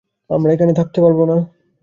আমরা এখানে থাকতে পারব না।